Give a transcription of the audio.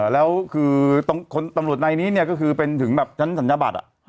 แล้วคือตำรวจในนี้ก็คือเป็นถึงแบบชั้นสัญญาบัติ